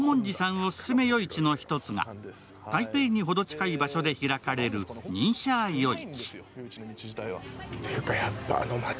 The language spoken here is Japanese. オススメ夜市の１つが台北駅に、ほど近い場所で開かれるニンシャー夜市。